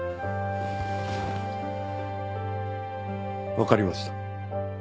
わかりました。